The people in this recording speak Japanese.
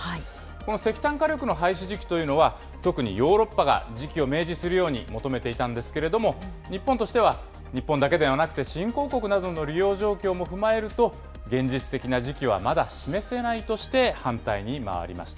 この石炭火力の廃止時期というのは、特にヨーロッパが時期を明示するように求めていたんですけれども、日本としては、日本だけではなくて、新興国などの利用状況も踏まえると、現実的な時期はまだ示せないとして、反対に回りました。